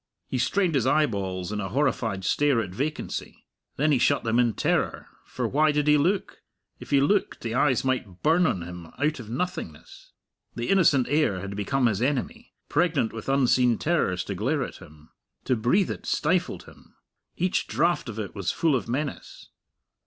He strained his eyeballs in a horrified stare at vacancy. Then he shut them in terror, for why did he look? If he looked, the eyes might burn on him out of nothingness. The innocent air had become his enemy pregnant with unseen terrors to glare at him. To breathe it stifled him; each draught of it was full of menace.